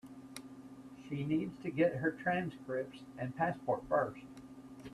She needs to get her transcripts and passport first.